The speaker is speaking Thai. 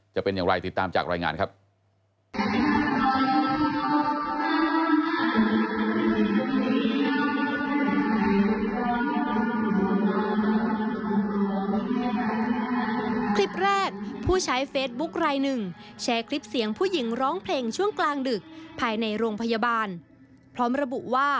จะเป็นอย่างไรติดตามจากรายงานครับ